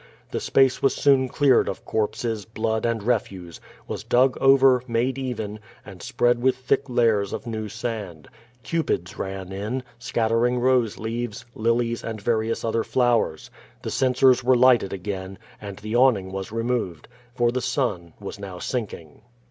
The space was soon cleared of corpses, blood, and refuse, was dug over, made even, and spread with thick layers of new sand. Cupids ran in, scattering rose leaves, lilies, and various other flowers. The censers were lighted again, and the awning was removed. For the sun was now sinking.